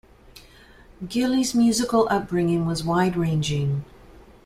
Gillies' musical upbringing was wide-ranging.